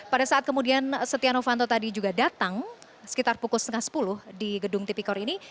pada saat kemudian setia novanto tadi juga datang sekitar pukul setengah sepuluh di gedung tipikor ini